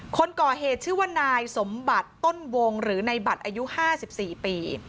คนก่อเหตุชื่อว่านายสมบัติต้นวงหรือในบัตรอายุ๕๔ปี